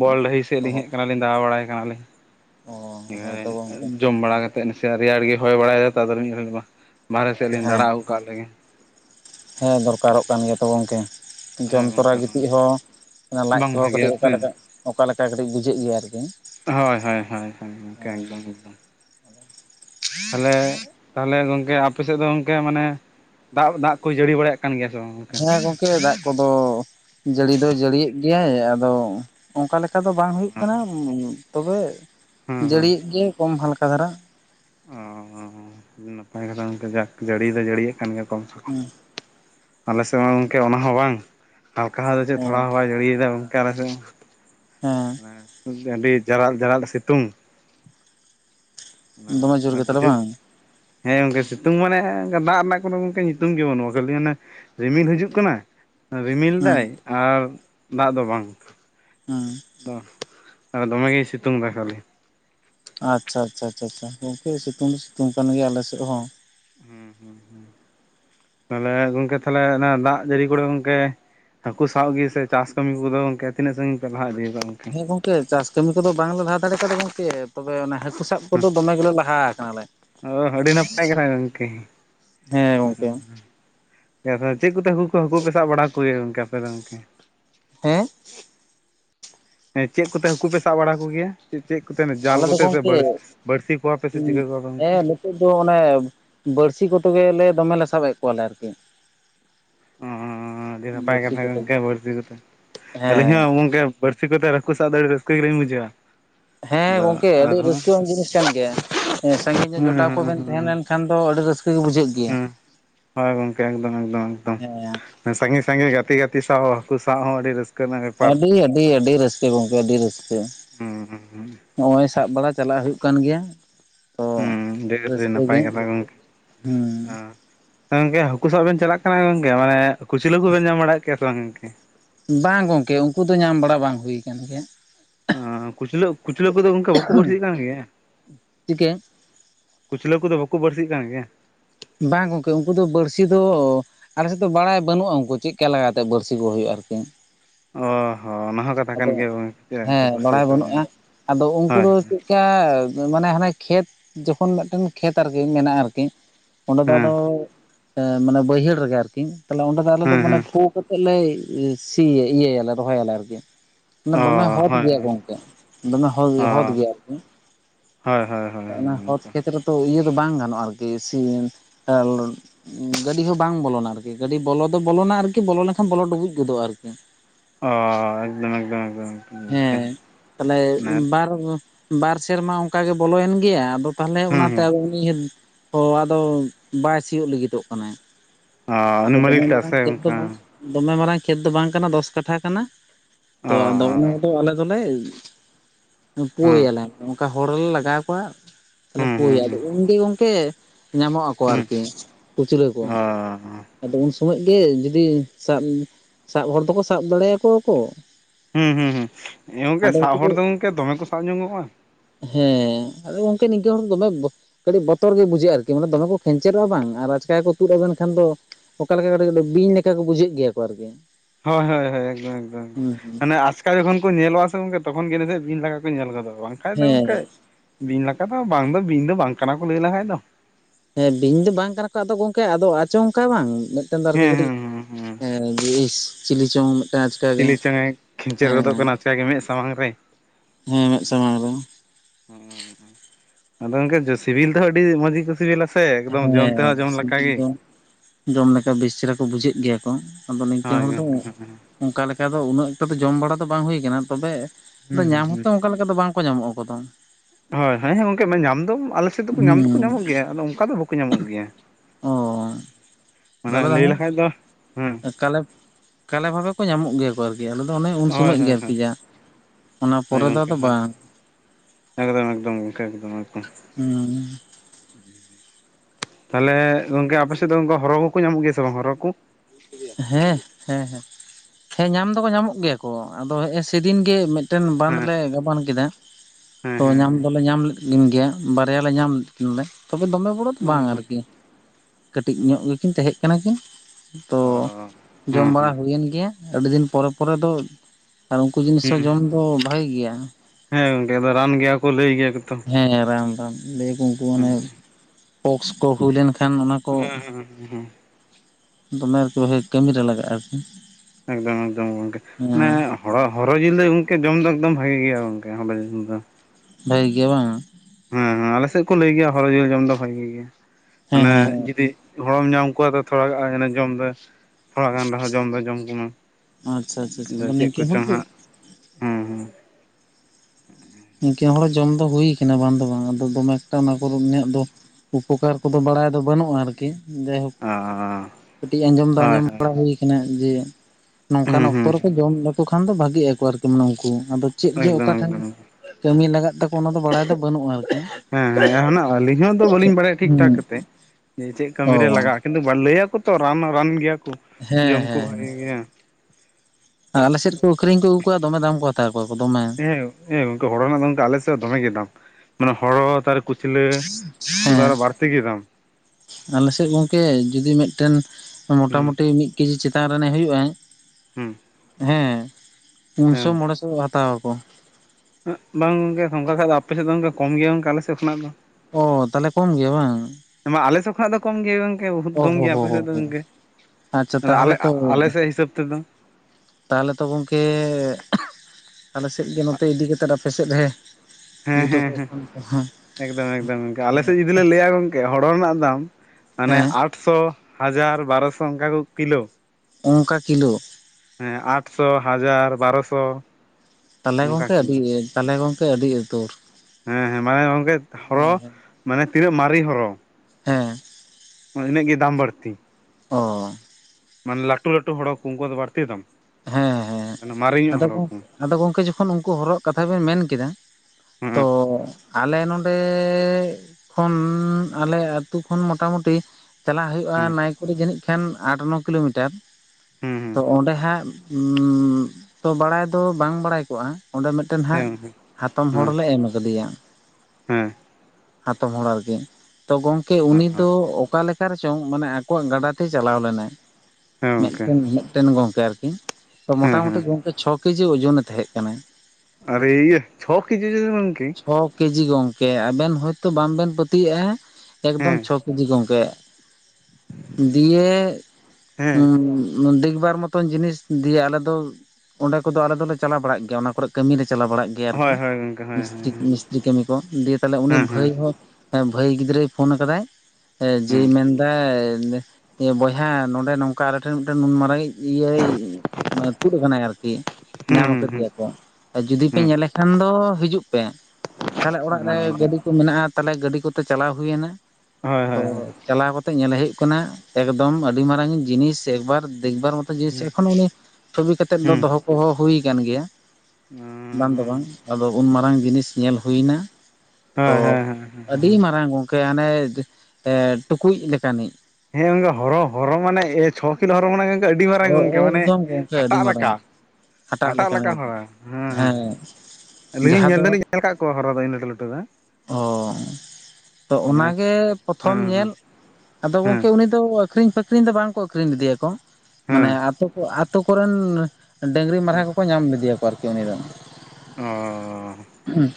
Speaker 2: ᱵᱚᱞ ᱰᱟᱹᱦᱤ ᱥᱮᱜ
Speaker 1: ᱚ
Speaker 2: ᱞᱤᱧ ᱦᱮᱡ ᱠᱟᱱᱟ᱾ ᱞᱤᱧ ᱫᱟᱲᱟ ᱵᱟᱲᱟᱭ ᱠᱟᱱᱟᱞᱤᱧ
Speaker 1: ᱚ ᱦᱮᱸ ᱛᱚ ᱜᱚᱝᱠᱮ
Speaker 2: ᱡᱚᱢ ᱵᱟᱲᱟ ᱠᱟ ᱛᱮ ᱱᱟᱥᱮᱭᱟᱜ ᱨᱮᱭᱟᱲ ᱜᱮ ᱦᱚᱭ ᱵᱟᱲᱟᱭᱟ ᱛᱚᱞ ᱵᱟᱨᱦᱨᱮ ᱥᱮᱫ ᱞᱤᱧ
Speaker 1: ᱦᱮᱸ
Speaker 2: ᱫᱟᱬᱟ ᱠᱟᱜ ᱞᱮᱜᱮ᱾
Speaker 1: ᱦᱮᱸ ᱫᱚᱨᱠᱟᱨᱚᱜ ᱠᱟᱱ ᱜᱮᱭᱟ ᱛᱚ ᱜᱚᱝᱠᱮ
Speaker 2: ᱦᱮᱸ
Speaker 1: ᱡᱚᱢ ᱛᱚᱨᱟ
Speaker 2: ᱜᱚᱝᱠᱮ
Speaker 1: ᱜᱤᱛᱤᱡ
Speaker 2: ᱦᱮᱸ
Speaker 1: ᱦᱚᱸ ᱚᱱᱟ ᱞᱟᱡ
Speaker 2: ᱵᱟᱝ
Speaker 1: ᱠᱚᱦᱚᱸ
Speaker 2: ᱵᱷᱟᱜᱮᱭᱟ
Speaker 1: ᱠᱟᱹᱴᱤᱡ ᱚᱠᱟ
Speaker 2: ᱥᱮ
Speaker 1: ᱞᱮᱠᱟ ᱚᱠᱟᱞᱮᱠᱟ ᱠᱟᱹᱴᱤᱡ ᱵᱩᱡᱷᱟᱹᱜ ᱜᱮᱭᱟ ᱟᱨᱠᱤ,
Speaker 2: ᱦᱳᱭ ᱦᱳᱭ ᱦᱳᱭ ᱜᱚᱝᱠᱮ ᱮᱠᱫᱚᱢ ᱮᱠᱫᱚᱢ᱾ ᱛᱷᱟᱞᱮ ᱛᱟᱦᱞᱮ ᱜᱚᱝᱠᱮ ᱟᱯᱮᱥᱮᱫ ᱫᱚ ᱜᱚᱝᱠᱮ ᱢᱟᱱᱮ ᱫᱟᱜ ᱫᱟᱜ ᱠᱚᱭ ᱡᱟᱹᱲᱤ ᱵᱟᱲᱟᱭᱮᱜ ᱠᱟᱱ ᱜᱮᱭᱟ ᱥᱚ
Speaker 1: ᱦᱮᱸ ᱜᱚᱝᱠᱮ ᱫᱟᱜ ᱠᱚᱫᱚ ᱡᱟᱹᱲᱤ ᱫᱚᱭ ᱡᱟᱹᱲᱤᱭᱮᱫ ᱜᱮᱭᱟᱭ ᱟᱫᱚ ᱚᱝᱠᱟ ᱞᱮᱠ ᱠᱟ ᱫᱚ ᱵᱟᱝ ᱦᱩᱭᱩᱜ ᱠᱟᱱᱟ ᱩᱸ ᱛᱚᱵᱮ
Speaker 2: ᱦᱮᱸ ᱦᱮᱸ
Speaker 1: ᱡᱟᱹᱲᱤᱭᱮᱫ ᱜᱮᱭᱟᱭ ᱠᱚᱢ ᱦᱟᱞᱠᱟ ᱫᱷᱟᱨᱟ᱾
Speaker 2: ᱚ ᱱᱟᱯᱟᱭ ᱠᱟᱛᱟ ᱜᱚᱝᱠᱮ ᱡᱟᱠ ᱡᱟᱹᱲᱤ ᱫᱚᱭ ᱡᱟᱹᱲᱤᱭᱟᱜ ᱠᱟᱱ ᱜᱮᱭᱟ ᱠᱚᱢ ᱥᱮ ᱠᱚᱢ,
Speaker 1: ᱦᱩᱸ
Speaker 2: ᱟᱞᱮ ᱥᱮᱜ ᱢᱟ ᱜᱚᱝᱠᱮ ᱚᱱᱟ ᱦᱚᱸ ᱵᱟᱝ ᱦᱟᱞᱠᱟ ᱦᱟᱣᱟ ᱪᱮᱫ ᱛᱷᱚᱲᱟ ᱦᱚᱸ ᱵᱟᱭ ᱡᱟᱹᱲᱤᱭᱮᱫᱟ ᱜᱚᱝᱠᱮ ᱟᱞᱮ ᱥᱮᱜ ᱾
Speaker 1: ᱦᱮᱸ
Speaker 2: ᱚᱱᱟ ᱟᱹᱰᱤ ᱡᱟᱨᱟᱞ ᱡᱟᱨᱟᱞ ᱥᱤᱛᱩᱝ,
Speaker 1: ᱫᱚᱢᱮ ᱡᱳᱨ
Speaker 2: ᱢᱟᱱᱮ
Speaker 1: ᱜᱮ ᱛᱟᱞᱦᱮ
Speaker 2: ᱵᱩᱡᱷᱟᱹᱜ
Speaker 1: ᱵᱟᱝ?
Speaker 2: ᱦᱮᱸ ᱜᱚᱝᱠᱮ ᱥᱤᱛᱩᱝ ᱢᱟᱱᱮ ᱫᱟᱜ ᱨᱮᱱᱟᱜ ᱠᱳᱱᱳ ᱜᱚᱝᱠᱮ ᱧᱩᱛᱩᱢ ᱜᱮ ᱵᱟᱹᱱᱩᱜ-ᱟ, ᱠᱷᱟᱹᱞᱤ ᱟᱱᱮ ᱨᱤᱢᱤᱞ ᱦᱤᱡᱩᱜ ᱠᱟᱱᱟ, ᱨᱤᱢᱤᱞ
Speaker 1: ᱦᱩᱸ
Speaker 2: ᱫᱟᱭ ᱟᱨ ᱫᱟᱜ ᱫᱚ ᱵᱟᱝ᱾
Speaker 1: ᱦᱮᱸ᱾
Speaker 2: ᱵᱟ ᱟᱨ ᱫᱚᱢᱮᱜᱮᱭ ᱥᱤᱛᱩᱝ ᱮᱫᱟ ᱠᱷᱟᱹᱞᱤ᱾
Speaker 1: ᱟᱪᱪᱷᱟ ᱟᱪᱪᱷᱟ ᱪᱷᱟᱷᱟ ᱜᱚᱝᱠᱮ ᱥᱤᱛᱩᱝ ᱫᱚ ᱥᱤᱛᱩᱝ ᱠᱟᱱ ᱜᱮᱭᱟ ᱟᱞᱮᱥᱮᱫ ᱦᱚᱸ᱾
Speaker 2: ᱦᱮᱸ ᱦᱮᱸ ᱦᱮᱸ ᱛᱟᱦᱞᱮ ᱜᱚᱝᱠᱮ ᱛᱟᱦᱞᱮ ᱫᱟᱜ ᱡᱟᱹᱲᱤ ᱠᱚᱨᱮ ᱜᱚᱝᱠᱮ ᱦᱟᱹᱠᱩ ᱥᱟᱵ ᱜᱮ ᱥᱮ ᱪᱟᱥ ᱠᱟᱹᱢᱤ ᱠᱚᱫᱚ ᱜᱚᱝᱠᱮ ᱛᱤᱱᱟᱹᱜ ᱥᱟᱺᱤᱧ ᱯᱮ ᱞᱟᱦᱟ ᱤᱫᱤᱭ ᱫᱟ ᱜᱚᱝᱠᱮ?
Speaker 1: ᱦᱮᱸ ᱜᱚᱝᱠᱮ ᱪᱟᱥ ᱠᱟᱹᱢᱤ ᱠᱚᱫᱚ ᱵᱟᱝᱞᱮ ᱞᱟᱦᱟ ᱫᱟᱲᱮ ᱠᱟᱣᱫᱟ ᱜᱚᱝᱠᱮ ᱛᱚᱵᱮ ᱚᱱᱟ ᱦᱟᱹᱠᱩ ᱥᱟᱵ ᱠᱚᱫᱚ ᱫᱚᱢᱮ ᱜᱮᱞᱮ ᱞᱟᱦᱟ ᱟᱠᱟᱱᱟᱞᱮ
Speaker 2: ᱚ ᱟᱹᱰᱤ ᱱᱟᱯᱟᱭ ᱠᱟᱛᱷᱟ ᱜᱚᱝᱠᱮ᱾
Speaker 1: ᱦᱮᱸ ᱜᱚᱝᱠᱮ
Speaker 2: ᱫᱤᱭᱮ ᱯᱚᱨᱮ᱾ ᱪᱮᱫ ᱠᱚᱛᱮ ᱦᱟᱹᱠᱩ ᱠᱚ ᱦᱟᱹᱠᱩ ᱯᱮ ᱥᱟᱵ ᱵᱟᱲᱟ ᱠᱚᱜᱮᱭᱟ ᱜᱚᱝᱠᱮ ᱟᱯᱮ ᱫᱚ ᱜᱚᱝᱠᱮ?
Speaker 1: ᱦᱮᱸ?
Speaker 2: ᱦᱮᱸ ᱪᱮᱫ ᱠᱚᱛᱮ ᱦᱟᱹᱠᱩ ᱯᱮ ᱥᱟᱵ ᱵᱟᱲᱟ ᱠᱚ ᱜᱮᱭᱟ? ᱪᱮᱫ ᱪᱮᱫ ᱠᱚᱛᱮ ᱱᱮ ᱡᱟᱞ
Speaker 1: ᱟᱞᱮ ᱫᱚ
Speaker 2: ᱠᱚᱛᱮ ᱥᱮ
Speaker 1: ᱜᱚᱝᱠᱮ
Speaker 2: ᱵᱟᱹᱲᱥᱤ ᱵᱟᱹᱲᱥᱤ ᱠᱚᱣᱟᱯᱮ ᱥᱮ ᱪᱤᱠᱟᱹ ᱠᱚᱣᱟ ᱯᱮ ᱜᱚᱝᱠᱮ?
Speaker 1: ᱱᱤᱛᱚᱫ ᱫᱚ ᱚᱱᱮ ᱵᱟᱹᱲᱥᱤ ᱠᱚᱛᱮ ᱜᱮ ᱞᱮ ᱫᱚᱢᱮ ᱞᱮ ᱥᱟᱵᱮᱫ ᱠᱚᱣᱟᱞᱮ ᱟᱨᱠᱤ᱾
Speaker 2: ᱚ ᱟᱹᱰᱤ ᱱᱟᱯᱟᱭ
Speaker 1: ᱵᱟᱹᱲᱥᱤ
Speaker 2: ᱠᱟᱛᱷᱟ
Speaker 1: ᱠᱚᱛᱮ ᱜᱮ
Speaker 2: ᱜᱚᱝᱠᱮ ᱵᱟᱹᱲᱛᱤ ᱠᱚᱛᱮ᱾ ᱟᱹᱞᱤᱧ
Speaker 1: ᱦᱮᱸ
Speaker 2: ᱦᱚᱸ ᱜᱚᱝᱠᱮ ᱵᱟᱹᱲᱥᱤ ᱠᱚᱛᱮ ᱦᱟᱹᱠᱩ ᱥᱟᱵ ᱫᱚ ᱟᱹᱰᱤ ᱨᱟᱹᱥᱠᱟᱹ ᱜᱮᱞᱤᱧ ᱵᱩᱡᱷᱟᱹᱣᱟ᱾
Speaker 1: ᱦᱮᱸ ᱜᱚᱝᱠᱮ
Speaker 2: ᱟᱫᱚ
Speaker 1: ᱟᱹᱰᱤ
Speaker 2: ᱟᱨᱦᱚᱸ
Speaker 1: ᱨᱟᱹᱥᱠᱟᱹᱣᱟᱱ ᱡᱤᱱᱤᱥ ᱠᱟᱱ ᱜᱮᱭᱟᱸ᱾ ᱮᱸ ᱥᱟᱺᱜᱮ ᱧᱚᱜ
Speaker 2: ᱦᱮᱸ
Speaker 1: ᱡᱚᱴᱟᱣ ᱠᱚᱵᱮᱱ
Speaker 2: ᱦᱮᱸ
Speaker 1: ᱛᱟᱦᱮᱸ
Speaker 2: ᱦᱮᱸ
Speaker 1: ᱞᱮᱱ ᱠᱷᱟᱱ ᱫᱚ ᱟᱹᱰᱤ ᱨᱟᱹᱥᱠᱟᱹ ᱜᱮ ᱵᱩᱡᱷᱟᱹᱜ ᱜᱮ
Speaker 2: ᱦᱮᱸ᱾ ᱦᱳᱭ ᱜᱚᱝᱠᱮ ᱮᱠᱫᱚᱢ ᱮᱠᱫᱚᱢ
Speaker 1: ᱦᱮᱸ
Speaker 2: ᱮᱠᱫᱚᱢ᱾ ᱥᱟᱺᱜᱮ ᱥᱟᱺᱜᱮ ᱜᱟᱛᱮ ᱜᱟᱛᱮ ᱥᱟᱶ ᱦᱟᱠᱩ ᱥᱟᱵ ᱦᱚᱸ ᱟᱹᱰᱤ ᱨᱟᱹᱥ
Speaker 1: ᱟᱹᱰᱤ ᱟᱹᱰᱤ ᱟᱹᱰᱤ ᱨᱟᱹᱥ ᱠᱮ ᱜᱚᱝᱠᱮ ᱟᱹᱰᱤ ᱨᱟᱹᱥᱠᱟᱹ᱾
Speaker 2: ᱦᱩᱸ ᱦᱩᱸ
Speaker 1: ᱱᱚᱜᱼᱚᱭ ᱥᱟᱵ ᱵᱟᱲᱟ ᱪᱟᱞᱟᱜ ᱦᱩᱭᱩᱜ ᱠᱟᱱ ᱜᱮᱭᱟ᱾ ᱛᱚ
Speaker 2: ᱦᱩᱸ ᱟᱹᱰᱤ ᱟᱹᱰᱤ
Speaker 1: ᱨᱟᱹᱥᱠᱟᱹ
Speaker 2: ᱱᱟᱯᱟᱭ
Speaker 1: ᱜᱮ
Speaker 2: ᱠᱟᱛᱷᱟ ᱜᱚᱢᱝᱮ ᱦᱮᱸ᱾ ᱛᱚ ᱜᱚᱝᱠᱮ ᱦᱟᱹᱠᱩ ᱥᱟᱵ ᱵᱮᱱ ᱪᱟᱞᱟᱜ ᱠᱟᱱᱟ ᱜᱚᱝᱠᱮ ᱢᱟᱱᱮ ᱠᱩᱪᱞᱟᱹ ᱠᱚᱵᱮᱱ ᱧᱟᱢ ᱵᱟᱲᱟᱭᱮᱫ ᱠᱚᱭᱟ ᱥᱮ ᱵᱟᱝ ᱜᱚᱝᱠᱮ?
Speaker 1: ᱵᱟᱝ ᱜᱚᱝᱠᱮ ᱩᱱᱠᱩ ᱫᱚ ᱧᱟᱢ ᱵᱟᱲᱟ ᱵᱟᱝ ᱦᱩᱭ ᱠᱟᱱ ᱜᱮᱭᱟ᱾
Speaker 2: ᱚ ᱠᱩᱪᱞᱟᱹ ᱠᱩᱪᱞᱟᱹ ᱠᱚᱫᱚ ᱜᱚᱝᱠᱮ ᱵᱟᱠᱚ ᱵᱟᱹᱲᱥᱤᱭᱮᱜ ᱠᱟᱱ ᱜᱮᱭᱟ?
Speaker 1: ᱪᱤᱠᱟᱹ
Speaker 2: ᱠᱩᱪᱞᱟᱹ ᱠᱚᱫᱚ ᱵᱟᱠᱚ ᱵᱟᱹᱲᱥᱤᱜ ᱠᱟᱱ ᱜᱮᱭᱟ?
Speaker 1: ᱵᱟᱝ ᱜᱚᱝᱠᱮ ᱩᱱᱠᱩ ᱫᱚ ᱵᱟᱹᱲᱥᱤ ᱫᱚ ᱟᱞᱮ ᱥᱮᱫ ᱫᱚ ᱵᱟᱲᱟᱭ ᱵᱟᱹᱱᱩᱜᱼᱟ ᱩᱱᱠᱩ ᱪᱮᱫᱠᱟ ᱞᱮᱠᱟᱛᱮ ᱵᱟᱹᱲᱥᱤ ᱠᱚ ᱦᱩᱭᱩᱜᱼᱟ ᱟᱨᱠᱤ
Speaker 2: ᱚ ᱦᱚᱸ ᱚᱱᱟ ᱦᱚ ᱠᱟᱛ
Speaker 1: ᱟᱫᱚ ᱦᱮᱸ ᱵᱟᱲᱟᱭ ᱵᱟᱹᱱᱩᱜᱼᱟ ᱟᱫᱚ ᱩᱱᱠᱩ
Speaker 2: ᱦᱳᱭ
Speaker 1: ᱫᱚ ᱪᱮᱫ ᱠᱟ ᱢᱟᱱᱮ ᱦᱟᱱᱮ ᱠᱷᱮᱛ ᱡᱚᱠᱷᱚᱱ ᱢᱤᱫᱴᱮᱱ ᱠᱷᱮᱛ ᱟᱨᱠᱤ ᱢᱮᱱᱟᱜᱼᱟ ᱟᱨᱠᱤ ᱚᱸᱰᱮ ᱫᱚ
Speaker 2: ᱦᱮᱸ
Speaker 1: ᱟᱫᱚ ᱢᱟᱱᱮ ᱵᱟᱹᱭᱦᱟᱹᱲ ᱨᱮᱜᱮ ᱟᱨᱠᱤ ᱛᱟᱞᱦᱮ ᱚᱸᱰᱮ ᱫᱚ ᱟᱞᱮ
Speaker 2: ᱦᱮᱸ
Speaker 1: ᱢᱟᱱᱮ
Speaker 2: ᱦᱮᱸ
Speaker 1: ᱯᱩ ᱠᱟᱛᱮᱫ ᱞᱮ ᱥᱤ ᱤᱭᱟᱹᱭᱟᱞᱮ ᱨᱚᱦᱚᱭᱟᱞᱮ ᱟᱨᱠᱤ ᱢᱟᱱᱮ
Speaker 2: ᱚ
Speaker 1: ᱫᱚᱢᱮ ᱦᱚᱛ
Speaker 2: ᱦᱳᱭ
Speaker 1: ᱜᱮᱭᱟ
Speaker 2: ᱦᱳᱭ
Speaker 1: ᱜᱚᱝᱠᱮ ᱫᱚᱢᱮ ᱦᱚ
Speaker 2: ᱚ
Speaker 1: ᱦᱚᱛ ᱜᱮᱭᱟ ᱟᱨᱠᱤ
Speaker 2: ᱦᱳᱭ ᱦᱳᱭ ᱦᱳᱭ
Speaker 1: ᱚᱱᱟ ᱦᱚᱛ
Speaker 2: ᱦᱳᱭ
Speaker 1: ᱠᱷᱮᱛᱨᱮ ᱛᱚ ᱤᱭᱟᱹ ᱫᱚ ᱵᱟᱝ ᱜᱟᱱᱚᱜᱼᱟ ᱟᱨᱠᱤ ᱥᱤᱱ ᱜᱟᱹᱰᱤ ᱦᱚᱸ ᱵᱟᱝ ᱵᱚᱞᱚᱱᱟ ᱟᱨᱠᱤ ᱜᱟᱹᱰᱤ ᱵᱚᱞᱚ ᱫᱚ ᱵᱚᱞᱚᱱᱟ ᱟᱨᱠᱤ ᱵᱚᱞᱚ ᱞᱮᱱᱠᱷᱟᱱ ᱵᱚᱞᱚ ᱰᱩᱵᱩᱡ ᱜᱚᱫᱚᱜᱼᱟ ᱟᱨᱠᱤ
Speaker 2: ᱚ ᱮᱠᱫᱚᱢ ᱮᱠᱫᱚᱢ ᱮᱠᱫᱚᱢ ᱜᱚᱝᱠᱮ
Speaker 1: ᱦᱮᱸ ᱛᱟᱦᱞᱮ
Speaker 2: ᱚᱱᱟ
Speaker 1: ᱵᱟᱨ ᱵᱟᱨ ᱥᱮᱨᱢᱟ ᱚᱱᱠᱟ ᱜᱮ ᱵᱚᱞᱚᱭᱮᱱ ᱜᱮᱭᱟ ᱟᱫᱚ ᱛᱟᱞᱦᱮ ᱚᱱᱟᱛᱮ ᱩᱱᱤ ᱯᱷᱚᱣᱟ ᱫᱚ ᱵᱟᱭ ᱥᱤᱭᱳᱜ ᱞᱟᱹᱜᱤᱫᱚᱜ ᱠᱟᱱᱟᱭ ᱟᱫᱚ ᱫᱚᱢᱮ ᱢᱟᱨᱟᱝ ᱠᱷᱮᱛ ᱫᱚ ᱵᱟᱝ ᱫᱚᱢᱮ ᱢᱟᱨᱟᱝ ᱠᱷᱮᱛ ᱫᱚ ᱵᱟᱝ ᱠᱟᱱᱟ ᱫᱚᱥ ᱠᱟᱴᱷᱟ ᱠᱟᱱᱟ ᱛᱚ ᱟᱫᱚ
Speaker 2: ᱦᱮᱸ
Speaker 1: ᱛᱚ ᱟᱞᱮ ᱫᱚᱞᱮ
Speaker 2: ᱦᱩᱸ
Speaker 1: ᱯᱳᱭᱟᱞᱮ ᱚᱱᱠᱟ ᱦᱚᱲ ᱞᱮ ᱞᱟᱜᱟᱣ ᱠᱚᱣᱟ ᱛᱟᱦᱞᱮ
Speaker 2: ᱦᱩᱸ
Speaker 1: ᱯᱩᱭᱟ
Speaker 2: ᱦᱩᱸ
Speaker 1: ᱟᱫᱚ
Speaker 2: ᱦᱩᱸ
Speaker 1: ᱩᱱ ᱜᱮ ᱜᱚᱝᱠᱮ ᱧᱟᱢᱚᱜ ᱟᱠᱚ
Speaker 2: ᱦᱩᱸ
Speaker 1: ᱟᱨᱠᱤ ᱠᱩᱪᱞᱟᱹ ᱠᱚ
Speaker 2: ᱚ
Speaker 1: ᱟᱫᱚ ᱩᱱ ᱥᱚᱢᱚᱭ ᱜᱮ ᱡᱩᱫᱤ ᱥᱟᱵ ᱥᱟᱵ ᱦᱚᱲ ᱫᱚᱠᱚ ᱥᱟᱵ ᱫᱟᱲᱮᱭ ᱟᱠᱚᱣᱟ ᱠᱚ
Speaker 2: ᱦᱩᱸ ᱦᱩᱸ ᱦᱩᱸ ᱜᱚᱝᱠᱮ
Speaker 1: ᱟᱫᱚ
Speaker 2: ᱥᱟᱵ
Speaker 1: ᱩᱱᱠᱩ
Speaker 2: ᱦᱚᱲ ᱫᱚ ᱜᱚᱝᱠᱮ ᱫᱚᱢᱮ ᱠᱚ ᱥᱟᱵ ᱡᱚᱱᱚᱜᱼᱟ
Speaker 1: ᱦᱮᱸ ᱟᱫᱚ ᱜᱚᱝᱠᱮ ᱱᱤᱝᱠᱟᱹᱱ ᱦᱚᱲ ᱫᱚ ᱫᱚᱢᱮ ᱠᱟᱹᱴᱤᱡ ᱵᱚᱛᱚᱨ ᱜᱮ ᱵᱩᱡᱷᱟᱹᱜᱼᱟ ᱟᱨᱠᱤ ᱢᱟᱱᱮ ᱫᱚᱢᱮ ᱠᱚ ᱠᱷᱮᱧᱪᱮᱨᱚᱜᱼᱟ ᱵᱟᱝ ᱟᱨ ᱟᱪᱠᱟᱠᱚ ᱛᱩᱫᱼᱟᱵᱮᱱ ᱠᱷᱟᱱ ᱫᱚ ᱚᱠᱟ ᱞᱮᱠᱟ ᱠᱟᱴᱤᱡ ᱵᱤᱧ ᱞᱮᱠᱟ ᱠᱚ ᱵᱩᱡᱷᱟᱹᱜ ᱜᱮᱭᱟ ᱠᱚ ᱟᱨᱠᱤ
Speaker 2: ᱦᱳᱭ ᱦᱳᱭ ᱦᱳᱭ ᱮᱠᱫᱚᱢ ᱮᱠᱫᱚᱢ ᱮᱠᱫᱚᱢ
Speaker 1: ᱦᱩᱸ ᱦᱩᱸ
Speaker 2: ᱦᱟᱱᱮ ᱟᱥ ᱟᱪᱠᱟ ᱡᱚᱠᱷᱚᱱ ᱠᱚ ᱧᱮᱞᱚᱜᱼᱟ ᱥᱮ ᱜᱚᱝᱠᱮ ᱛᱚᱠᱷᱚᱱ ᱜᱮ ᱚᱱᱮ ᱪᱮᱫ ᱵᱤᱧ ᱞᱮᱠᱟ ᱠᱚ ᱧᱮᱞ ᱜᱚᱫᱚᱜᱼᱟ ᱵᱟᱝᱠᱷᱟᱡ ᱫᱚ
Speaker 1: ᱦᱮᱸ
Speaker 2: ᱜᱚᱝᱠᱮ ᱵᱤᱧ ᱞᱮᱠᱟ ᱫᱚ ᱵᱟᱝ ᱫᱚ ᱵᱤᱧ ᱫᱚ ᱵᱟᱝ ᱠᱟᱱᱟ ᱠᱚ ᱞᱟᱹᱭ ᱞᱮᱠᱷᱟᱡ ᱫᱚᱼᱼ
Speaker 1: ᱦᱮᱸ ᱵᱤᱧ ᱫᱚ ᱵᱟᱝ ᱠᱟᱱᱟ ᱠᱚ ᱟᱫᱚ ᱜᱚᱝᱠᱮ ᱟᱫᱚ ᱟᱪᱚᱝᱠᱟ ᱵᱟᱝ ᱢᱤᱫᱴᱮᱱ ᱫᱚ ᱟᱨᱠᱤ
Speaker 2: ᱦᱮᱸ
Speaker 1: ᱠᱟᱹᱴᱤᱡᱼᱼ
Speaker 2: ᱦᱮᱸ ᱦᱮᱸ
Speaker 1: ᱦᱮᱸ ᱤᱥ ᱪᱤᱞᱤ‌ ᱪᱚᱝ ᱢᱮᱜᱼᱼ
Speaker 2: ᱪᱤᱞᱤ ᱪᱚᱝᱮᱭ ᱠᱷᱮᱧᱪᱮᱨ ᱜᱚᱫᱚᱜ ᱠᱟᱱᱟ ᱟᱪᱠᱟ ᱜᱮ ᱢᱮᱫ ᱥᱟᱢᱟᱝ ᱨᱮ᱾
Speaker 1: ᱦᱮᱸ ᱢᱮᱸᱫ ᱥᱟᱢᱟᱝ ᱨᱮ᱾
Speaker 2: ᱦᱮᱸ ᱦᱮᱸ ᱟᱫᱚ ᱜᱚᱝᱠᱮ ᱥᱤᱵᱤᱞ ᱛᱮᱦᱚᱸ ᱟᱹᱰᱤ ᱢᱚᱸᱡᱽ ᱜᱮᱠᱚ ᱥᱤᱵᱤᱞᱟ᱾ ᱥᱮ ᱮᱠᱫᱚᱢ ᱡᱚᱢ
Speaker 1: ᱦᱮᱸ
Speaker 2: ᱛᱮᱦᱚᱸ ᱡᱚᱢ ᱞᱟᱠᱟ
Speaker 1: ᱥᱤᱵᱤᱞ
Speaker 2: ᱜᱮ᱾
Speaker 1: ᱫᱚ ᱡᱚᱢ ᱞᱮᱠᱟ ᱵᱮᱥ ᱪᱮᱨᱦᱟ ᱠᱚ ᱵᱩᱡᱷᱟᱹᱜ ᱜᱮᱭᱟ ᱠᱚ ᱟᱫᱚ ᱱᱤᱝᱠᱟᱹ
Speaker 2: ᱦᱳᱭ
Speaker 1: ᱦᱚᱲ ᱫᱚᱼᱼ
Speaker 2: ᱜᱚᱝᱠᱮ ᱦᱩᱸ
Speaker 1: ᱚᱱᱠᱟ ᱞᱮᱠᱟ ᱫᱚ ᱩᱱᱟᱹᱜ ᱮᱠᱴᱟ ᱫᱚ ᱡᱚᱢ ᱵᱟᱲᱟ ᱫᱚ ᱵᱟᱝ ᱦᱩᱭ ᱠᱟᱱᱟ ᱛᱚᱵᱮ ᱧᱟᱢ
Speaker 2: ᱦᱩᱸ
Speaker 1: ᱦᱚᱸ ᱛᱚᱼᱼ ᱚᱱᱠᱟ ᱞᱮᱠᱟ ᱫᱚ ᱵᱟᱝᱠᱚ ᱧᱟᱢᱚᱜ-ᱟ ᱚᱠᱚ ᱛᱚ᱾
Speaker 2: ᱦᱳᱭ ᱦᱚᱭ ᱦᱮᱸ ᱜᱚᱝᱠᱮ ᱧᱟᱢ ᱫᱚ ᱟᱞᱮ‌ ᱥᱮᱜᱼᱼ ᱮᱫ ᱧᱟᱢ ᱫᱚᱠᱚ
Speaker 1: ᱦᱩᱸ
Speaker 2: ᱧᱟᱢᱚᱜ ᱜᱮᱭᱟ ᱟᱫᱚ ᱚᱱᱠᱟ ᱫᱚ ᱵᱟᱠᱚ ᱧᱟᱢᱚᱜ ᱜᱮᱭᱟ᱾
Speaker 1: ᱚ
Speaker 2: ᱢᱟᱱᱮ ᱞᱟᱹᱭ ᱞᱟᱠᱷᱟᱡ ᱫᱚ ᱦᱮᱸ᱾
Speaker 1: ᱮ ᱠᱟᱞᱮᱵᱽ ᱠᱟᱞᱮ ᱵᱷᱟᱵᱮᱼᱼ ᱠᱚ ᱧᱟᱢᱚᱜ ᱜᱮᱭᱟ ᱠᱚ ᱟᱨᱠᱤ ᱟᱞᱮ ᱫᱚ ᱚᱱᱮ ᱩᱱ
Speaker 2: ᱦᱳᱭ
Speaker 1: ᱥᱚᱢᱚᱭ ᱜᱮ
Speaker 2: ᱦᱳᱭ ᱦᱳᱭ
Speaker 1: ᱟᱨᱠᱤ ‌ᱡᱟ ᱚᱱᱟ
Speaker 2: ᱦᱳᱭ
Speaker 1: ᱯᱚᱨᱮ ᱫᱚ
Speaker 2: ᱜᱚᱝᱠᱮ
Speaker 1: ᱟᱫᱚ
Speaker 2: ᱦᱳᱭ
Speaker 1: ᱵᱟᱝ᱾
Speaker 2: ᱮᱠᱫᱚᱢ ᱮᱠᱫᱚᱢ ᱜᱚᱝᱠᱮ ᱮᱠᱫᱚᱢ ᱮᱠᱫᱚᱢ᱾
Speaker 1: ᱦᱩᱸᱻ᱾
Speaker 2: ᱛᱟᱦᱞᱮ ᱜᱚᱝᱠᱮ ᱟᱯᱮ ᱥᱮᱜ ᱫᱚ ᱦᱚᱨᱚ ᱠᱚᱠᱚ ᱧᱟᱢᱚᱜ ᱜᱮᱭᱟ ᱥᱮ ᱵᱟᱝ ᱦᱚᱨᱚ ᱠᱚ?
Speaker 1: ᱦᱮᱸ ᱦᱮᱸ ᱦᱮᱸ ᱧᱟᱢ ᱫᱚᱠᱚ ᱧᱟᱢᱚᱜ ᱜᱮᱭᱟ ᱠᱚ ᱟᱫᱚ ᱦᱮᱸᱜ ᱮ ᱥᱮᱭ ᱫᱤᱱ ᱜᱮ ᱢᱮᱫᱼᱼ ᱴᱮᱱ ᱵᱟᱸᱫᱽ
Speaker 2: ᱦᱮᱸ
Speaker 1: ᱞᱮ ᱜᱟᱵᱟᱱ ᱠᱮᱫᱟ
Speaker 2: ᱦᱮᱸ
Speaker 1: ᱛᱚ
Speaker 2: ᱦᱮᱸ
Speaker 1: ᱧᱟᱢ
Speaker 2: ᱦᱮᱸ
Speaker 1: ᱫᱚᱞᱮ ᱧᱟᱢ ᱞᱮᱫᱼᱼ ᱠᱤᱱ ᱜᱮᱭᱟ ᱵᱟᱨᱭᱟ ᱞᱮ ᱧᱟᱢ ᱞᱮᱫ ᱠᱤᱱ ᱞᱮ ᱛᱚᱵᱮ ᱫᱚᱢᱮ ᱵᱚᱲᱚ ᱫᱚ ᱵᱟᱝ
Speaker 2: ᱦᱩᱸ ᱦᱩᱸ
Speaker 1: ᱟᱨᱠᱤ᱾ ᱠᱟᱹᱴᱤᱡ
Speaker 2: ᱚ
Speaker 1: ᱧᱚᱜ ᱜᱮᱠᱤᱱ ᱛᱟᱦᱮᱸᱡ ᱠᱟᱱᱟ ᱠᱤᱱ᱾ ᱛᱚ ᱡᱚᱢ
Speaker 2: ᱦᱩᱸ
Speaker 1: ᱵᱟᱲᱟ
Speaker 2: ᱦᱩᱸ
Speaker 1: ᱦᱩᱭᱮᱱ ᱜᱮᱭᱟ, ᱟᱹᱰᱤ ᱫᱤᱱ ᱯᱚᱨᱮ ᱯᱚᱨᱮ ᱫᱚ ᱟᱨ ᱩᱱᱠᱩ ᱡᱤᱱᱤᱥ ᱦᱚᱸ
Speaker 2: ᱦᱩᱸ
Speaker 1: ᱡᱚᱢ ᱫᱚ ᱵᱷᱟᱜᱮ ᱜᱮᱭᱟ᱾
Speaker 2: ᱦᱮᱸ ᱜᱚᱝᱠᱮ ᱟᱫᱚ ᱨᱟᱱ ᱜᱮᱭᱟ ᱠᱚ ᱞᱟᱹᱭ ᱜᱮᱭᱟ ᱠᱚᱛᱚ᱾
Speaker 1: ᱦᱮᱸ ᱨᱟᱢ ᱨᱟᱱ ᱞᱟᱹᱭ ᱟᱠᱚ ᱩᱱᱠᱩ
Speaker 2: ᱦᱩᱸ
Speaker 1: ᱚᱱᱮ ᱯᱚᱠᱥ ᱠᱚ ᱦᱩᱭ ᱞᱮᱱ
Speaker 2: ᱦᱮᱸ ᱦᱩᱸ ᱦᱩᱸ ᱦᱩᱸ ᱦᱩᱸ᱾
Speaker 1: ᱫᱚᱢᱮ ᱟᱨᱠᱤ ᱵᱷᱟᱜᱮ ᱠᱟᱹᱢᱤ ᱨᱮ ᱞᱟᱜᱟᱜ-ᱟ ᱟᱨᱠᱤ᱾
Speaker 2: ᱮᱠᱫᱚᱢ ᱮᱠᱫᱚᱢ ᱜᱚᱝᱠᱮ
Speaker 1: ᱦᱮᱸ
Speaker 2: ᱢᱟᱱᱮ ᱦᱚᱲᱚ ᱦᱚᱨᱚ ᱡᱤᱞ ᱫᱚ ᱜᱚᱝᱠᱮ ᱡᱚᱢ ᱫᱚ ᱮᱠᱫᱚᱢ ᱵᱷᱟᱜᱮ ᱜᱮᱭᱟ ᱜᱚᱝᱠᱮ ᱦᱚᱨᱚ ᱡᱤᱞ ᱫᱚ᱾
Speaker 1: ᱵᱷᱟᱹᱜᱮ ᱜᱮᱭᱟ ᱵᱟᱝ?
Speaker 2: ᱦᱮᱸ ᱦᱮᱸ ᱟᱞᱮ ᱥᱮᱫ ᱠᱚ ᱞᱟᱹᱭ ᱜᱮᱭᱟ ᱦᱚᱨᱚ ᱡᱤᱞ ᱡᱚᱢ ᱫᱚ ᱵᱷᱟᱜᱮ ᱜᱮᱭᱟ,
Speaker 1: ᱦᱮᱸ
Speaker 2: ᱢᱟᱱᱮ
Speaker 1: ᱦᱮᱸ
Speaker 2: ᱡᱩᱫᱤ ᱦᱚᱲᱚᱢ ᱧᱟᱢ ᱠᱚᱣᱟ ᱛᱷᱚᱲᱟ ᱟ ᱚᱱᱮ ᱡᱚᱢ ᱫᱚ ᱛᱷᱚᱲᱟ ᱜᱟᱱ ᱨᱮᱦᱚᱸ ᱡᱚᱢ ᱫᱚ ᱡᱚᱢ ᱠᱚᱢᱮ᱾
Speaker 1: ᱟᱪᱪᱷᱟ ᱟᱪᱪᱷᱟ ᱟᱪᱪᱷᱟ,
Speaker 2: ᱟᱫᱚ ᱪᱮᱜ
Speaker 1: ᱱᱤᱝᱠᱟᱹᱱ ᱦᱚᱲ
Speaker 2: ᱠᱚᱪᱚᱝ
Speaker 1: ᱫᱚ
Speaker 2: ᱦᱟᱸᱜ, ᱦᱮᱸ ᱦᱮᱸ᱾
Speaker 1: ᱱᱤᱝᱠᱟᱹᱱ ᱦᱚᱲ ᱦᱚᱸ ᱡᱚᱢ ᱫᱚ ᱦᱩᱭ ᱠᱟᱱᱟ ᱵᱟᱝ ᱫᱚ ᱵᱟᱝ ᱟᱫᱚ ᱫᱚᱢᱮ ᱮᱠᱴᱟ ᱚᱱᱟ ᱠᱚᱨᱮ ᱤᱧᱟᱹᱜ ᱫᱚ ᱩᱯᱚᱠᱟᱨ ᱠᱚᱫᱚ ᱵᱟᱲᱟᱭ ᱫᱚ ᱵᱟᱹᱱᱩᱜ-ᱟ ᱟᱨᱠᱤ ᱡᱟᱭᱦᱳᱠ
Speaker 2: ᱟᱻ
Speaker 1: ᱠᱟᱹᱴᱤᱡ ᱟᱸᱡᱚᱢ ᱫᱚ ᱟᱸᱡᱚᱢ ᱵᱟᱲᱟ ᱦᱩᱭ ᱠᱟᱱᱟ ᱡᱮ ᱱᱚᱝᱠᱟᱱ
Speaker 2: ᱦᱩᱸ
Speaker 1: ᱚᱠᱛᱚ
Speaker 2: ᱦᱩᱸ
Speaker 1: ᱨᱮᱠᱚ ᱡᱚᱢ ᱞᱮ ᱠᱚ ᱠᱷᱟᱱ ᱫᱚ ᱵᱷᱟᱜᱮ ᱟᱠᱚ ᱟᱨᱠᱤ ᱢᱟᱱᱮ ᱩᱱᱠᱩ ᱟᱫᱚ ᱪᱮᱫ ᱨᱮ
Speaker 2: ᱮᱠᱫᱚᱢ
Speaker 1: ᱚᱠᱟ ᱴᱷᱮᱱ
Speaker 2: ᱮᱠᱫᱚᱢ
Speaker 1: ᱠᱟᱹᱢᱤ ᱞᱟᱜᱟᱜ ᱛᱟᱠᱚᱣᱟ ᱚᱱᱟ ᱫᱚ ᱵᱟᱲᱟᱭ ᱫᱚ ᱵᱟᱹᱱᱩᱜ-ᱟ ᱟᱨᱠᱤ᱾
Speaker 2: ᱦᱮᱸ ᱦᱮᱸ [unintelligible] ᱱᱟᱜ ᱟᱞᱤᱧ ᱦᱚᱸ ᱫᱚ ᱵᱟᱹᱞᱤᱧ ᱵᱟᱲᱟᱭᱟ ᱴᱷᱤᱠ ᱴᱷᱟᱠ
Speaker 1: ᱦᱩᱸ
Speaker 2: ᱠᱟᱛᱮᱜ ᱡᱮ ᱪᱮᱫ
Speaker 1: ᱚ
Speaker 2: ᱠᱟᱹᱢᱤ ᱨᱮ ᱞᱟᱜᱟ-ᱟ ᱠᱤᱱᱛᱩ ᱵᱟ ᱞᱟᱹᱭᱟᱠᱚ ᱛᱚ ᱨᱟᱱ ᱨᱟᱱ ᱜᱮᱭᱟ ᱠᱚ
Speaker 1: ᱦᱮᱸ
Speaker 2: ᱡᱚᱢ ᱠᱚ ᱵᱷᱟᱜᱮ ᱜᱮᱭᱟ᱾
Speaker 1: ᱟᱨ ᱟᱞᱮ ᱥᱮᱫ ᱠᱚ ᱟᱹᱠᱷᱨᱤᱧ ᱠᱚ ᱟᱹᱜᱩ ᱠᱚᱣᱟ ᱫᱚᱢᱮ ᱫᱟᱢ ᱠᱚ ᱦᱟᱛᱟᱣ ᱠᱚᱣᱟ ᱠᱚ ᱫᱚᱢᱮ᱾
Speaker 2: ᱦᱮᱸ ᱮ ᱜᱚᱝᱠᱮ ᱦᱚᱲᱚ ᱨᱮᱱᱟᱜ ᱫᱚ ᱟᱞᱮ ᱥᱮᱫ ᱦᱚᱸ ᱫᱚᱢᱮ ᱜᱮ ᱫᱟᱢ, ᱢᱟᱱᱮ ᱦᱚᱲᱚ ᱛᱟᱨᱮ ᱠᱩ ᱪᱞᱟᱹ ᱠᱚᱫᱚ
Speaker 1: ᱦᱮᱸ
Speaker 2: ᱟᱨᱚ ᱵᱟᱲᱛᱤ ᱜᱮ ᱫᱟᱢ᱾
Speaker 1: ᱟᱞᱮ ᱥᱮᱫ ᱜᱚᱝᱠᱮ ᱡᱩᱫᱤ ᱢᱤᱫᱴᱮᱱ
Speaker 2: ᱦᱩᱸ
Speaker 1: ᱢᱚᱴᱟᱢᱩᱴᱤ ᱢᱤᱫ ᱠᱮᱡᱤ ᱪᱮᱛᱟᱱ ᱨᱮᱱᱮ ᱦᱩᱭᱩᱜ-ᱟᱭ?
Speaker 2: ᱦᱩᱸ᱾
Speaker 1: ᱦᱮᱸ, ᱯᱩᱱ
Speaker 2: ᱦᱮᱸ
Speaker 1: ᱥᱚ ᱢᱚᱬᱮ ᱥᱚ ᱫᱚ ᱦᱟᱛᱟᱣᱟᱠᱚ᱾
Speaker 2: ᱟᱺᱜ ᱵᱟᱝ ᱜᱚᱝᱠᱮ ᱚᱝᱠᱟ ᱠᱷᱟᱡ ᱫᱚ ᱟᱯᱮ ᱥᱮᱫ ᱫᱚ ᱜᱚᱝᱠᱮ ᱠᱚᱢ ᱜᱮᱭᱟ ᱜᱚᱝᱠᱮ ᱟᱞᱮ ᱥᱮᱫ ᱠᱷᱚᱱᱟᱜ ᱫᱚ᱾
Speaker 1: ᱚ ᱛᱟᱞᱦᱮ ᱠᱚᱢ ᱜᱮᱭᱟ ᱵᱟᱝ?
Speaker 2: [inaudible] ᱟᱞᱮ ᱥᱮᱫ ᱠᱷᱚᱱᱟᱜ ᱫᱚ ᱠᱚᱢ ᱜᱮ ᱜᱚᱝᱠᱮ ᱵᱚᱦᱩᱛ
Speaker 1: ᱚ
Speaker 2: ᱠᱚᱢ
Speaker 1: ᱦᱚ
Speaker 2: ᱜᱮᱭᱟ
Speaker 1: ᱦᱚ
Speaker 2: ᱟᱯᱮ ᱥᱮᱫ ᱫᱚ
Speaker 1: ᱦᱚ
Speaker 2: ᱜᱚᱝᱠᱮ,
Speaker 1: ᱟᱪᱪᱷᱟ
Speaker 2: ᱟᱫᱚ
Speaker 1: ᱛᱟᱦᱚᱞᱮ
Speaker 2: ᱟᱞᱮ
Speaker 1: ᱛᱚ
Speaker 2: ᱟᱞᱮ ᱥᱮᱫ ᱦᱤᱥᱟᱹᱵ ᱛᱮᱫᱚ᱾
Speaker 1: ᱛᱟᱦᱚᱞᱮ ᱛᱚ ᱜᱚᱝᱠᱮ, ᱟᱞᱮ ᱥᱮᱫ ᱜᱮ ᱱᱚᱛᱮ ᱤᱫᱤ ᱠᱟᱛᱮᱫ ᱟᱯᱮ ᱥᱮᱫ ᱨᱮ
Speaker 2: ᱦᱮᱸ ᱦᱮᱸ
Speaker 1: ᱜᱤᱫᱽᱨᱟᱹ ᱠᱚ
Speaker 2: ᱦᱮᱸ,
Speaker 1: ᱮᱠᱷᱚᱱ ᱠᱚ ᱦᱮᱸ
Speaker 2: ᱮᱠᱫᱚᱢ ᱮᱠᱫᱚᱢ ᱟᱞᱮ ᱥᱮᱫ ᱡᱩᱫᱤ ᱞᱮ ᱞᱟᱹᱭᱟ ᱜᱚᱝ ᱠᱮ ᱦᱚᱲᱚ ᱨᱮᱱᱟᱜ ᱫᱟᱢ, ᱢᱟᱱᱮ
Speaker 1: ᱦᱮᱸ
Speaker 2: ᱟᱴᱥᱚ ᱦᱟᱡᱟᱨ ᱵᱟᱨᱚᱥᱚ ᱚᱱᱠᱟ ᱠᱚ ᱠᱤᱞᱳ᱾
Speaker 1: ᱚᱱᱠᱟ ᱠᱤᱞᱳ?
Speaker 2: ᱦᱮᱸ ᱟᱴᱥᱚ ᱦᱟᱡᱟᱨ ᱵᱟᱨᱚᱥᱚ᱾
Speaker 1: ᱛᱟᱞᱦᱮ
Speaker 2: ᱚᱱᱠᱟ
Speaker 1: ᱜᱚᱝᱠᱮ ᱟᱹᱰᱤ
Speaker 2: ᱠᱤᱞᱳ
Speaker 1: ᱛᱟᱞᱦᱮ ᱜᱚᱝᱠᱮ ᱟᱹᱰᱤ ᱩᱛᱩᱨ᱾
Speaker 2: ᱦᱮᱸ ᱦᱮᱸ ᱢᱟᱱᱮ ᱜᱚᱝᱠᱮ ᱦᱚᱨᱚ, ᱢᱟᱱᱮ ᱛᱤᱱᱟᱹᱜ ᱢᱟᱨᱮ ᱦᱚᱨᱚ
Speaker 1: ᱦᱮᱸ᱾
Speaker 2: ᱢᱟᱱᱮ ᱤᱱᱟᱹᱜ ᱜᱮ ᱫᱟᱢ ᱵᱟᱹᱲᱛᱤ᱾
Speaker 1: ᱚ᱾
Speaker 2: ᱢᱟᱱᱮ ᱞᱟᱹᱴᱩ ᱞᱟᱹᱴᱩ ᱦᱚᱲᱚ ᱠᱚ ᱩᱱᱠᱩᱣᱟᱜ ᱫᱚ ᱵᱟᱹᱲᱛᱤ ᱫᱟᱢ᱾
Speaker 1: ᱦᱮᱸ ᱦᱮᱸ
Speaker 2: ᱢᱟᱱᱮ ᱢᱟᱨᱮ ᱧᱚᱜ
Speaker 1: ᱟᱫᱚ
Speaker 2: ᱦᱚᱲᱚ
Speaker 1: ᱜᱚᱫ,
Speaker 2: ᱠᱚ
Speaker 1: ᱟᱫᱚ ᱜᱚᱝᱠᱮ ᱡᱚᱠᱷᱚᱱ ᱩᱱᱠᱩ ᱦᱚᱨᱚᱣᱟᱜ ᱠᱟᱛᱷᱟ ᱵᱮᱱ ᱢᱮᱱ ᱠᱮᱫᱟ
Speaker 2: ᱦᱮᱸ
Speaker 1: ᱛᱚ ᱟᱞᱮ ᱱᱚᱸᱰᱮ ᱠᱷᱚᱱ ᱟᱞᱮ ᱟᱹᱛᱩ ᱠᱷᱚᱱ ᱢᱚᱴᱟᱢᱩᱴᱤ ᱪᱟᱞᱟᱜ ᱦᱩᱭᱩᱜᱼᱟ
Speaker 2: ᱦᱮᱸ ᱦᱮᱸ
Speaker 1: ᱱᱟᱭᱠᱚᱲᱤ ᱡᱟᱹᱱᱤᱡ ᱠᱷᱟᱱ ᱟᱴ ᱱᱚ ᱠᱤᱞᱳᱢᱤᱴᱟᱨ᱾
Speaker 2: ᱦᱮᱸ
Speaker 1: ᱛᱚ ᱚᱸᱰᱮ ᱦᱟᱸᱜ? ᱛᱚ ᱵᱟᱲᱟᱭ ᱫᱚ ᱵᱟᱝ ᱵᱟᱲᱟᱭ ᱠᱚᱜᱼᱟ ᱚᱸᱰᱮ ᱢᱤᱫ ᱛᱮ ᱱᱟᱦᱟᱜ
Speaker 2: ᱦᱮᱸ ᱜᱚᱝᱠᱮ
Speaker 1: ᱦᱟᱛᱚᱢ
Speaker 2: ᱦᱮᱸ
Speaker 1: ᱦᱚᱲᱞᱮ ᱮᱢ ᱠᱟᱫᱮᱭᱟ᱾
Speaker 2: ᱦᱮᱸ᱾
Speaker 1: ᱦᱟᱛᱚᱢ ᱦᱚᱲ ᱟᱨᱠᱤ ᱛᱚ ᱜᱚᱝᱠᱮ ᱩᱱᱤ ᱫᱚ ᱚᱠᱟᱞᱮᱠᱟ ᱚᱠᱟᱨᱮ ᱪᱚᱝ ᱢᱟᱱᱮ ᱟᱠᱚᱣᱟᱜ ᱜᱟᱰᱟ ᱛᱮᱭ ᱪᱟᱞᱟᱣ ᱞᱮᱱᱟ
Speaker 2: ᱦᱮᱸ ᱜᱚᱝᱠᱮ
Speaker 1: ᱢᱤᱫᱴᱮᱱ, ᱢᱮᱴᱮᱱ ᱜᱚᱝᱠᱮ ᱟᱨᱠᱤ᱾ ᱛᱚ
Speaker 2: ᱦᱮᱸ
Speaker 1: ᱢᱳᱴᱟᱢᱩᱴᱤ
Speaker 2: ᱦᱮᱸ
Speaker 1: ᱜᱚᱢᱠᱮ ᱪᱷᱚ ᱠᱮᱡᱤ ᱳᱡᱚᱱᱮ ᱛᱟᱦᱮᱸ ᱠᱟᱱᱟᱭ᱾
Speaker 2: ᱟᱨ ᱤᱭᱟᱹ ᱪᱷᱚ ᱠᱤᱡᱤ ᱨᱮᱱ ᱜᱚᱢᱠᱮ?
Speaker 1: ᱪᱷᱚ ᱠᱮᱡᱤ ᱜᱚᱝᱠᱮ ᱟᱵᱮᱱ ᱦᱚᱭᱛᱚ ᱵᱟᱝ ᱵᱮᱱ ᱯᱟᱹᱛᱭᱟᱹᱜᱼᱟ ᱮᱠᱫᱚᱢ
Speaker 2: ᱦᱮᱸ
Speaker 1: ᱪᱷᱚ ᱠᱮᱡᱤ ᱜᱚᱝᱠᱮ᱾ ᱫᱤᱭᱮ
Speaker 2: ᱦᱮᱸ
Speaker 1: ᱫᱮᱜ ᱵᱟᱨ ᱢᱚᱛᱚᱱ ᱡᱤᱱᱤᱥ ᱫᱤᱭᱮ ᱟᱞᱮ ᱫᱚ ᱚᱸᱰᱮ ᱠᱚᱫᱚ ᱟᱞᱮ ᱫᱚᱞᱮ ᱪᱟᱞᱟᱣ ᱵᱟᱲᱟᱜ ᱜᱮᱭᱟ ᱚᱱᱟ ᱠᱚᱨᱮ ᱠᱟᱹᱢᱤᱞᱮ ᱪᱟᱞᱟᱣ ᱵᱟᱲᱟᱜ ᱜᱮᱭᱟ᱾ ᱜᱮ
Speaker 2: ᱦᱳᱭ
Speaker 1: ᱟᱨᱠᱤ
Speaker 2: ᱦᱳᱭ ᱜᱚᱝᱠᱮ ᱦᱳᱭ ᱦᱳᱭ
Speaker 1: ᱢᱤᱥᱛᱨᱤ,
Speaker 2: ᱦᱮᱸ
Speaker 1: ᱢᱤᱥᱛᱨᱤ ᱠᱟᱹᱢᱤ ᱠᱚ ᱫᱤᱭᱮ ᱛᱟᱦᱚᱞᱮ ᱩᱱᱤ
Speaker 2: ᱦᱮᱸ ᱦᱮᱸ
Speaker 1: ᱵᱷᱟᱹᱭ ᱦᱚᱸ ᱮᱻ ᱵᱷᱟᱹᱭ ᱜᱤᱫᱽᱨᱟᱹᱭ ᱯᱷᱳᱱ ᱟᱠᱟᱫᱟᱭ ᱡᱮ
Speaker 2: ᱦᱩᱸ
Speaker 1: ᱢᱮᱱᱫᱟ ᱵᱚᱭᱦᱟ ᱱᱚᱰᱮ ᱱᱚᱝᱠᱟ ᱟᱞᱮ ᱴᱷᱮᱱ ᱢᱤᱫᱴᱮᱱ ᱱᱩᱱ ᱢᱟᱨᱟᱝᱤᱡ ᱤᱭᱟᱹᱭ ᱛᱩᱫ ᱟᱠᱟᱱᱟᱭ ᱟᱨᱠᱤ
Speaker 2: ᱦᱩᱸ
Speaker 1: ᱧᱟᱢ ᱠᱟᱫᱮᱭᱟ ᱠᱚ᱾ ᱡᱩᱫᱤ ᱯᱮ
Speaker 2: ᱦᱩᱸ ᱦᱩᱸ
Speaker 1: ᱧᱮᱞᱮ ᱠᱷᱟᱱ ᱫᱚ ᱦᱤᱡᱩᱜ ᱯᱮ ᱛᱟᱦᱚᱞᱮ ᱚᱲᱟᱜ ᱨᱮ
Speaker 2: ᱦᱳᱭ ᱦᱳᱭ ᱦᱳᱭ
Speaker 1: ᱜᱟᱹᱰᱤ ᱢᱮᱱᱟᱜᱼᱟ ᱛᱟᱦᱚᱞᱮ ᱜᱟᱹᱰᱤ ᱠᱚᱛᱮ ᱪᱟᱞᱟᱣ ᱦᱩᱭᱮᱱᱟ ᱛᱚ
Speaker 2: ᱦᱩᱸ
Speaker 1: ᱪᱟᱞᱟᱣ ᱠᱟᱛᱮ ᱧᱮᱞᱮ ᱦᱩᱭᱩᱜ ᱠᱟᱱᱟ ᱮᱠᱫᱚᱢ ᱟᱹᱰᱤ ᱢᱟᱨᱟᱝ ᱤᱡ ᱡᱤᱱᱤᱥ ᱮᱠᱵᱟᱨ ᱫᱮᱜᱵᱟᱨ ᱢᱚᱛᱚ ᱡᱤᱱᱤᱥ ᱮᱠᱷᱚᱱᱳ ᱩᱱᱤ ᱪᱷᱚᱵᱤ ᱠᱟᱛᱮᱫ ᱫᱚ ᱫᱚᱦᱚ ᱯᱚᱦᱚᱸ ᱦᱩᱭ ᱟᱠᱟᱱ ᱜᱮᱭᱟ
Speaker 2: ᱦᱳᱭ
Speaker 1: ᱵᱟᱝ ᱫᱚ ᱵᱟᱝ᱾ ᱟᱫᱚ ᱩᱱ ᱢᱟᱨᱟᱝ ᱡᱤᱱᱤᱥ ᱧᱮᱞ ᱦᱩᱭᱮᱱᱟ ᱛᱚ
Speaker 2: ᱦᱳᱭ ᱦᱳᱭ
Speaker 1: ᱟᱹᱰᱤ ᱢᱟᱨᱟᱝ ᱜᱚᱝ ᱦᱟᱱᱮ ᱴᱩᱠᱩᱡ ᱞᱮᱠᱟᱱᱤᱡ᱾
Speaker 2: ᱦᱮᱸ ᱚᱱᱤᱫᱚ ᱦᱚᱨᱚ, ᱦᱚᱨᱚ ᱢᱟᱱᱮ ᱮᱨ ᱪᱷᱚ ᱠᱤᱞᱳ ᱦᱚᱨᱚ ᱢᱟᱱᱮ ᱜᱚᱢᱠᱮ ᱟᱹᱰᱤ ᱢᱟᱨᱟᱝ
Speaker 1: ᱚ
Speaker 2: ᱜᱚᱢᱠᱮ ᱢᱟᱱᱮ
Speaker 1: ᱮᱠᱫᱚᱢ ᱜᱚᱝᱠᱮ ᱟᱹᱰᱤ
Speaker 2: ᱦᱟᱴᱟᱜ ᱞᱮᱠᱟ᱾
Speaker 1: ᱢᱟᱨᱟᱝ
Speaker 2: ᱦᱟᱴᱟᱜ ᱞᱮᱠᱟ
Speaker 1: ᱞᱮᱠᱟᱱ ᱮᱠᱫᱚᱢ
Speaker 2: ᱦᱚᱨᱚ ᱦᱮᱸ᱾ ᱟᱹᱞᱤᱧ ᱞᱤᱧ
Speaker 1: ᱡᱟᱦᱟᱸ
Speaker 2: ᱧᱮᱞ
Speaker 1: ᱫᱚ
Speaker 2: ᱫᱚᱞᱤᱧ ᱧᱮᱞ ᱟᱠᱟᱫ ᱠᱚᱣᱟ ᱦᱚᱨᱚ ᱫᱚ ᱤᱱ ᱞᱟᱹᱴᱩ ᱞᱟᱹᱴᱩ ᱫᱚ᱾
Speaker 1: ᱚ ᱛᱚ ᱚᱱᱟ ᱜᱮ
Speaker 2: ᱦᱮᱸ
Speaker 1: ᱯᱨᱚᱛᱷᱚᱢ ᱧᱮᱞ᱾ ᱟᱫᱚ
Speaker 2: ᱦᱮᱸ
Speaker 1: ᱜᱚᱝᱠᱮ ᱩᱱᱤ ᱫᱚ ᱟᱹᱠᱷᱨᱤᱧ ᱯᱟᱠᱷᱨᱤᱧ ᱫᱚ ᱵᱟᱝ ᱠᱚ ᱟᱹᱠᱷᱨᱤᱧ ᱞᱮᱫᱮᱭᱟ ᱠᱚ᱾ ᱢᱟᱱᱮ
Speaker 2: ᱦᱮᱸ
Speaker 1: ᱟᱛᱳ ᱠᱚᱨᱮᱱ ᱰᱟᱹᱝᱨᱤ ᱢᱟᱨᱦᱟ ᱠᱚᱠᱚ ᱧᱟᱢ ᱞᱮᱫᱮᱭᱟ ᱠᱚ ᱟᱨᱠᱤ ᱩᱱᱤᱫᱚ᱾
Speaker 2: ᱚᱻ
Speaker 1: ᱦᱩᱸ᱾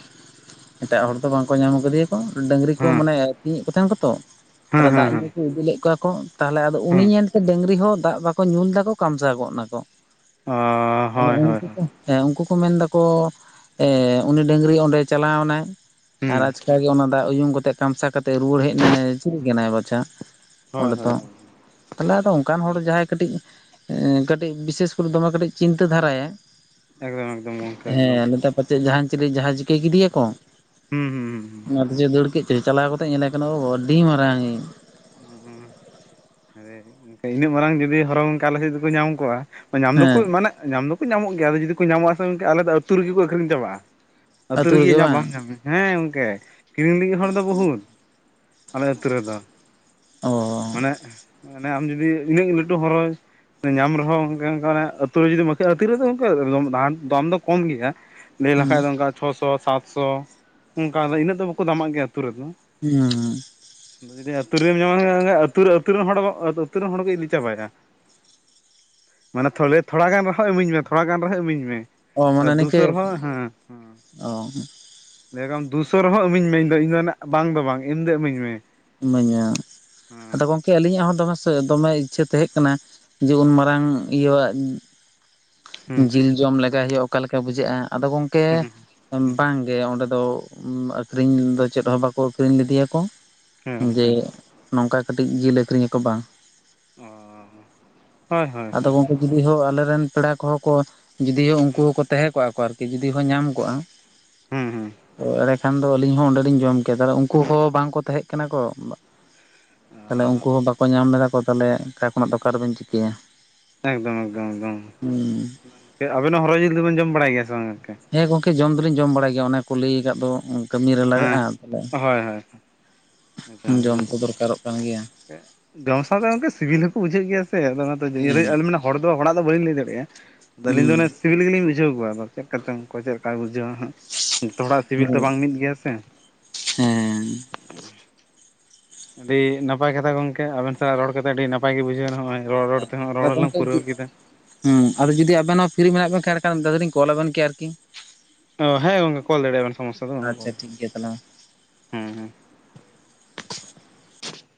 Speaker 1: ᱮᱴᱟᱜ ᱦᱚᱲ ᱫᱚ ᱵᱟᱝ ᱠᱚ ᱧᱟᱢ ᱠᱟᱫᱮᱭᱟ ᱠᱚ ᱰᱟᱹᱝᱨᱤ ᱠᱚ
Speaker 2: ᱦᱩᱸ
Speaker 1: ᱢᱟᱱᱮ ᱟᱛᱤᱧ ᱮᱫ ᱠᱚ ᱛᱟᱦᱮᱱᱟ ᱠᱚ ᱛᱚ᱾
Speaker 2: ᱦᱩᱸ ᱦᱩᱸ
Speaker 1: ᱫᱟᱜ
Speaker 2: ᱦᱩᱸ
Speaker 1: ᱧᱩ ᱠᱚ ᱤᱫᱤ ᱞᱮᱫ ᱠᱚᱣᱟ ᱠᱚ ᱛᱟᱦᱚᱞᱮ ᱟᱫᱚ ᱩᱱᱤ
Speaker 2: ᱦᱩᱸ
Speaker 1: ᱧᱮᱞᱛᱮ ᱰᱟᱹᱝᱨᱤ ᱦᱚᱸ ᱫᱟᱜ ᱵᱟᱠᱚ ᱠᱚ ᱧᱩ ᱞᱮᱫᱟᱠᱚ ᱠᱟᱢᱥᱟᱣ ᱜᱚᱫ ᱱᱟᱠᱚ᱾
Speaker 2: ᱚ
Speaker 1: ᱛᱟᱦᱚᱞᱮ
Speaker 2: ᱦᱳᱭ ᱦᱳᱭ
Speaker 1: ᱩᱱᱠᱩ ᱠᱚ
Speaker 2: ᱦᱳᱭ
Speaker 1: ᱩᱱᱠᱩ ᱠᱚ ᱢᱮᱱ ᱫᱟᱠᱚ ᱮᱻ ᱩᱱᱤ ᱰᱟᱹᱝᱨᱤ ᱚᱸᱰᱮ ᱪᱟᱞᱟᱣ ᱮᱱᱟᱭ
Speaker 2: ᱦᱩᱸ
Speaker 1: ᱟᱨ ᱟᱪᱠᱟ ᱚᱱᱠᱟᱜᱮ ᱚᱱᱟ ᱫᱟᱜ ᱩᱭᱩᱢ ᱠᱟᱛᱮᱜ ᱠᱟᱢᱥᱟ ᱠᱟᱛᱮ ᱨᱩᱣᱟᱹᱲ ᱦᱮᱡ ᱱᱟᱭ ᱪᱤᱞᱤ ᱠᱟᱱᱟᱭ ᱵᱟᱪᱷᱟ?
Speaker 2: ᱦᱳᱭ
Speaker 1: ᱚᱸᱰᱮ ᱫᱚ
Speaker 2: ᱦᱳᱭ ᱦᱳᱭ
Speaker 1: ᱛᱟᱦᱚᱞᱮ ᱟᱫᱚ ᱚᱱᱠᱟᱱ ᱦᱚᱲ ᱡᱟᱦᱟᱸᱭ ᱠᱟᱹᱴᱤᱡ, ᱠᱟᱹᱴᱤᱡ ᱵᱤᱥᱮᱥ ᱠᱚᱨᱮ ᱫᱚᱢᱮ ᱠᱟᱹᱴᱤᱡ ᱪᱤᱱᱛᱟᱹ ᱫᱷᱟᱨᱟᱭᱟ᱾
Speaker 2: ᱮᱠᱫᱚᱢ ᱮᱠᱫᱚᱢ ᱜᱚᱝᱠᱮ ᱮᱠᱫᱚᱢ
Speaker 1: ᱦᱮᱸ ᱱᱮᱛᱟ ᱯᱟᱪᱮᱫ ᱡᱟᱦᱟᱸᱱ ᱪᱤᱞᱤ ᱡᱟᱦᱟᱸ ᱪᱤᱠᱟᱹ ᱠᱮᱫᱮᱭᱟᱠᱚ᱾
Speaker 2: ᱦᱩᱸ ᱦᱩᱸ᱾ ᱦᱩᱸ
Speaker 1: ᱚᱱᱟ ᱫᱮᱪᱚᱭ ᱫᱟᱹᱲ ᱠᱮᱫ ᱪᱚᱭ ᱪᱟᱞᱟᱣ ᱠᱟᱛᱮᱜ ᱧᱮᱞᱮ ᱠᱟᱱᱟ ᱚᱻ ᱟᱹᱰᱤ ᱢᱟᱨᱟᱝ ᱤᱡ
Speaker 2: ᱦᱩᱸ ᱤᱱᱟᱹᱜ ᱢᱟᱨᱟᱝ ᱡᱩᱫᱤ ᱦᱚᱨᱚ ᱚᱱᱠᱟ ᱟᱞᱮ ᱥᱮᱫ ᱡᱩᱫᱤ ᱠᱚ ᱧᱟᱢ ᱠᱚᱜ-ᱟ ᱧᱟᱢ ᱫᱚᱠᱚ
Speaker 1: ᱦᱮᱸ
Speaker 2: ᱢᱟᱱᱮ ᱧᱟᱢ ᱫᱚᱠᱚ ᱧᱟᱢᱚᱜ ᱜᱮᱭᱟ, ᱟᱫᱚ ᱡᱩᱫᱤ ᱠᱚ ᱧᱟᱢᱚᱜ ᱟᱥᱮ ᱜᱚᱝᱠᱮ ᱟᱞᱮ ᱫᱚ ᱟᱹᱛᱩ ᱨᱮᱜᱮ ᱠᱚ ᱟᱹᱠᱷᱨᱤᱧ ᱪᱟᱵᱟᱜᱼᱟ᱾ ᱟᱹᱛᱩ ᱨᱮᱜᱮ ᱤᱧᱟᱹᱜ [unintelligible] ᱦᱮᱸ ᱜᱚᱢᱠᱮ ᱠᱤᱨᱤᱧ ᱞᱟᱹᱜᱤᱫ ᱦᱚᱲ ᱫᱚ ᱵᱚᱦᱩᱫ᱾ ᱟᱞᱮ ᱟᱹᱛᱩ ᱨᱮᱫᱚ᱾
Speaker 1: ᱚᱻ
Speaker 2: ᱢᱟᱱᱮ ᱢᱟᱱᱮ ᱟᱢ ᱡᱩᱫᱤ ᱤᱱᱟᱹᱜ ᱞᱟᱹᱴᱩ ᱦᱚᱨ ᱨᱮᱼᱼ ᱧᱟᱢ ᱨᱮᱦᱚᱸ ᱚᱱᱮ ᱚᱱᱠᱟ ᱟᱹᱛᱩ ᱨᱮ ᱡᱩᱫᱤ ᱢᱟᱹᱠᱣᱟᱹᱜ-ᱟ ᱟᱫᱚ ᱛᱤᱨᱮᱫᱚ [unintelligible] ᱫᱟᱢ ᱫᱚ ᱠᱚᱢ ᱜᱮᱭᱟ᱾ ᱞᱟᱹᱭ ᱞᱮᱠᱷᱟᱡ
Speaker 1: ᱦᱩᱸ
Speaker 2: ᱫᱚ ᱚᱱᱠᱟ ᱪᱷᱚᱥᱚ ᱥᱟᱛᱥᱚ ᱚᱱᱠᱟ ᱫᱚ ᱤᱱᱟᱹᱜ ᱫᱚ ᱵᱟᱠᱚ ᱫᱟᱢᱟᱜ ᱜᱮᱭᱟ ᱟᱹᱛᱩ ᱨᱮᱫᱚ᱾
Speaker 1: ᱦᱩᱸ ᱾
Speaker 2: [unintelligible] [unintelligible] ᱨᱮᱢ ᱧᱟᱢ ᱞᱮᱱᱠᱷᱟᱱ ᱟᱹᱛᱩ ᱨᱮᱱ ᱟᱹᱛᱩ ᱨᱮᱱ ᱦᱚᱲ ᱟᱹᱛᱩ ᱨᱮᱱ ᱦᱚᱲ ᱜᱮ ᱤᱫᱤ ᱪᱟᱵᱟᱭᱟ᱾ ᱢᱟᱱᱮ ᱛᱷᱚᱞᱮ ᱛᱷᱚᱲᱟ ᱜᱟᱱ ᱨᱮᱦᱚᱸ ᱤᱢᱟᱹᱧ ᱢᱮ ᱛᱷᱚᱲᱟ ᱜᱟᱱ ᱨᱮᱦᱚᱸ ᱤᱢᱟᱹᱧ ᱢᱮ᱾
Speaker 1: ᱚ
Speaker 2: ᱟᱨ
Speaker 1: ᱢᱟᱱᱮ ᱱᱤᱝᱠᱟᱹ
Speaker 2: ᱫᱩᱥᱚ ᱨᱮᱦᱚᱸ ᱦᱮᱸ ᱦᱩᱸ᱾
Speaker 1: ᱚ
Speaker 2: ᱞᱟᱹᱭᱟᱠᱚᱢ ᱫᱩᱥᱚ ᱨᱮᱦᱚᱸ ᱤᱢᱟᱹᱧ ᱢᱮ ᱤᱧᱫᱚ ᱤᱧᱫᱚ ᱱᱟᱜ ᱵᱟᱝ ᱫᱚ ᱵᱟᱝ ᱮᱢ ᱫᱚ ᱤᱢᱟᱹᱧ ᱢᱮ᱾
Speaker 1: ᱤᱢᱟᱹᱧᱟ
Speaker 2: ᱦᱮᱸ
Speaker 1: ᱟᱫᱚ ᱜᱚᱢᱼᱼ ᱠᱮ ᱟᱹᱞᱤᱧᱟᱜ ᱦᱚᱸ ᱫᱚᱢᱮ ᱥᱮ ᱫᱚᱢᱮ ᱤᱪᱪᱷᱟᱹ ᱛᱟᱦᱮᱸ ᱠᱟᱱᱟ ᱡᱮ ᱩᱱ ᱢᱟᱨᱟᱝ ᱤᱭᱟᱹᱣᱟᱜᱼᱼ
Speaker 2: ᱦᱩᱸ
Speaker 1: ᱡᱤᱞ ᱡᱚᱢ ᱞᱮᱜᱟᱭ ᱦᱩᱭᱩᱜᱼᱟ ᱚᱠᱟ ᱞᱮᱠᱟ ᱵᱩᱡᱷᱟᱹᱜᱼᱟ᱾ ᱟᱫᱚ ᱜᱚᱝᱠᱮ
Speaker 2: ᱦᱩᱸ ᱦᱩᱸ
Speaker 1: ᱵᱟᱝ᱾ ᱜᱮ ᱚᱸᱰᱮ ᱫᱚ ᱟᱠᱠᱷᱨᱤᱧ ᱫᱚ ᱪᱮᱫ ᱦᱚᱸ ᱵᱟᱠᱚ ᱟᱠᱷᱨᱤᱧ ᱞᱮᱫᱮᱭᱟᱠᱚ᱾
Speaker 2: ᱦᱮᱸ
Speaker 1: ᱡᱮ
Speaker 2: ᱜᱚᱝᱠᱮ
Speaker 1: ᱱᱚᱝᱠᱟ ᱠᱟᱹᱴᱤᱡ ᱡᱤᱞ ᱟᱹᱠᱷᱨᱤᱧ ᱟᱠᱚ ᱵᱟᱝ᱾
Speaker 2: ᱚ ᱦᱳᱭ ᱦᱳᱭ ᱦᱳᱭ᱾
Speaker 1: [unintelligible] ᱟᱞᱮ ᱨᱮᱱ ᱯᱮᱲᱟ ᱠᱚᱦᱚᱸ ᱠᱚ ᱡᱩᱫᱤᱭᱳ ᱩᱱᱠᱩ
Speaker 2: ᱦᱩᱸ
Speaker 1: ᱦᱚᱠᱚ ᱛᱟᱦᱮᱸ ᱠᱚᱜᱼᱟ ᱠᱚ ᱟᱨᱠᱤ ᱡᱩᱫᱤ ᱠᱚ ᱧᱟᱢ ᱠᱚᱜᱼᱟ᱾
Speaker 2: ᱦᱩᱸ ᱦᱩᱸ
Speaker 1: ᱟᱱᱮᱼᱼ ᱮᱱᱠᱷᱟᱱ ᱫᱚ ᱟᱹᱞᱤᱧ ᱦᱚᱸ ᱚᱸᱰᱮᱞᱤᱧ ᱡᱚᱢ ᱠᱮᱜ-ᱟ ᱛᱟᱦᱮ ᱩᱱᱠᱩ ᱦᱚᱸ ᱵᱟᱝᱠᱚ ᱛᱟᱦᱮᱸ ᱠᱟᱱᱟ ᱠᱚ᱾ ᱛᱟᱦᱞᱮ ᱩᱱᱠᱩ ᱦᱚᱸ ᱵᱟᱠᱚ ᱧᱟᱢ ᱞᱮᱫᱟ ᱠᱚ ᱛᱟᱦᱚᱞᱮ ᱚᱠᱟ ᱠᱷᱚᱱᱟᱜ ᱫᱚ ᱚᱠᱟ ᱨᱮᱵᱮᱱ ᱪᱤᱠᱟᱹᱭᱟ?
Speaker 2: ᱮᱠᱫᱚᱢ ᱮᱠᱫᱚᱢ ᱮᱠᱫᱚᱢ,
Speaker 1: ᱦᱩᱸ
Speaker 2: ᱟᱵᱤᱱ ᱦᱚᱸ ᱦᱚᱨᱚ ᱡᱤᱞ ᱫᱚ ᱵᱮᱱ ᱡᱚᱢ ᱵᱟᱲᱟᱭ ᱜᱮᱭᱟ ᱥᱮ ᱵᱟᱝ ᱜᱚᱝᱠᱮ?
Speaker 1: ᱦᱮᱸ ᱜᱚᱢᱠᱮ ᱡᱚᱢ ᱫᱚᱞᱤᱧ ᱡᱚᱢ ᱵᱟᱲᱟᱭ ᱜᱮᱭᱟ ᱚᱱᱮ ᱠᱚ ᱞᱟᱹᱭ ᱟᱠᱟᱫ ᱫᱚᱼᱼ ᱠᱟᱹᱢᱤ ᱨᱮ ᱞᱟᱜᱟᱜᱼᱟ
Speaker 2: ᱦᱮᱸ
Speaker 1: ᱛᱟᱦᱚᱞᱮ
Speaker 2: ᱦᱳᱭ ᱦᱳᱭ ᱮᱠᱫᱚᱢ
Speaker 1: ᱡᱚᱢ
Speaker 2: ᱮᱠᱫᱚᱢ
Speaker 1: ᱛᱚ ᱫᱚᱨᱠᱟᱨᱚᱜ ᱠᱟᱱ ᱜᱮᱭᱟ᱾
Speaker 2: ᱡᱚᱢ ᱥᱟᱸᱣᱛᱮ ᱜᱚᱝᱠᱮ ᱥᱤᱵᱤᱞ ᱦᱚᱸᱠᱚ ᱵᱩᱡᱷᱟᱹᱜ ᱜᱮᱭᱟ ᱥᱮ, ᱟᱫᱚ ᱚᱱᱟ
Speaker 1: ᱦᱮᱸ
Speaker 2: ᱛᱮ [unintelligible] ᱦᱚᱲ ᱫᱚ ᱦᱚᱲᱟᱜ ᱫᱚ ᱵᱟᱹᱞᱤᱧ ᱞᱟᱹᱭ ᱫᱟᱲᱮᱭᱟᱜᱼᱟ᱾ ᱟᱫᱚ ᱟᱹᱞᱤᱧ ᱫᱚ ᱚᱱᱮ
Speaker 1: ᱦᱩᱸ
Speaker 2: ᱥᱤᱵᱤᱞ ᱜᱮᱞᱤᱧ ᱵᱩᱡᱷᱟᱹᱣ ᱠᱚᱣᱟ, ᱟᱫᱚ ᱪᱮᱫ ᱠᱟ ᱪᱚᱝ ᱚᱠᱚᱭ ᱪᱮᱫ ᱞᱮᱠᱟᱭ ᱵᱩᱡᱷᱟᱹᱣᱟ᱾ ᱡᱚᱛᱚᱚᱲᱟᱜ ᱥᱤᱵᱤᱞ ᱫᱚ ᱵᱟᱝ ᱢᱤᱫ ᱜᱮᱭᱟᱼᱼ
Speaker 1: ᱦᱩᱸ᱾
Speaker 2: ᱟᱹᱰᱤ ᱱᱟᱯᱟᱭ ᱠᱟᱛᱷᱟ ᱜᱚᱢᱠᱮ ᱟᱵᱮᱱ ᱥᱟᱜ ᱨᱚᱲ ᱠᱟᱛᱮᱜ ᱟᱹᱰᱤ ᱱᱟᱯᱟᱭ ᱜᱮ ᱵᱩᱡᱷᱟᱹᱣᱱᱟ ᱱᱚᱜᱼᱚᱭ᱾ ᱨᱚᱲ ᱨᱚᱲ ᱛᱮᱦᱚᱸ ᱨᱚᱲ
Speaker 1: ᱟᱫᱚ
Speaker 2: ᱦᱚᱞᱟᱝ
Speaker 1: ᱜᱚᱝᱠᱮ
Speaker 2: ᱯᱩᱨᱟᱹᱣ ᱠᱮᱫᱟ᱾
Speaker 1: ᱦᱩᱸ ᱟᱫᱚ ᱡᱩᱫᱤ ᱟᱵᱮᱱ ᱦᱚᱸ ᱯᱷᱤᱨᱤ ᱢᱮᱱᱟᱜ ᱵᱮᱱ ᱠᱷᱟᱱ ᱮᱸᱲᱮᱠᱷᱟᱱ ᱢᱤᱫ ᱫᱷᱟᱣ ᱫᱚᱞᱤᱧ ᱠᱚᱞ ᱟᱵᱮᱱ ᱠᱮᱭᱟ ᱟᱨᱠᱤ᱾
Speaker 2: ᱚ ᱦᱮᱸ ᱜᱚᱢᱠᱮ ᱠᱚᱞ ᱫᱟᱲᱮᱭᱟᱜ ᱵᱮᱱ ᱥᱚᱢᱚᱥᱟ ᱫᱚ ᱵᱟᱹᱱᱩᱜᱼᱟ᱾
Speaker 1: ᱟᱪᱪᱷᱟ ᱴᱷᱤᱠ ᱜᱮᱭᱟ ᱛᱟᱦᱚᱞᱮ ᱢᱟ
Speaker 2: ᱦᱮᱸ ᱦᱮᱸ